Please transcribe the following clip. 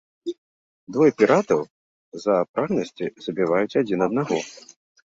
Двое піратаў, з-за прагнасці, забіваюць адзін аднаго.